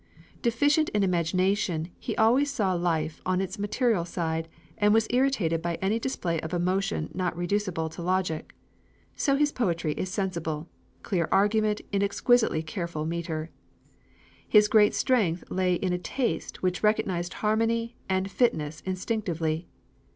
Deficient in imagination, he always saw life on its material side, and was irritated by any display of emotion not reducible to logic. So his poetry is sensible, clear argument in exquisitely careful metre. His great strength lay in a taste which recognized harmony and fitness instinctively.